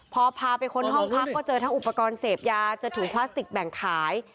พอพาไปค้นห้องพักก็เจอทั้งอุปกรณ์เสพยาเจอถุงพลาสติกแบ่งขาย